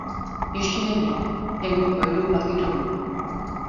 Ještě nevím, jak mi pojedou vlaky domů.